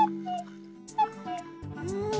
うん。